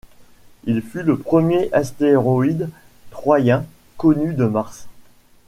Il fut le premier astéroïde troyen connu de Mars.